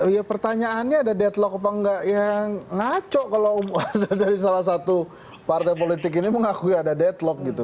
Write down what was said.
ya pertanyaannya ada deadlock apa enggak ya ngaco kalau dari salah satu partai politik ini mengakui ada deadlock gitu